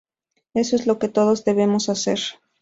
Eso es lo que todos debemos hacer.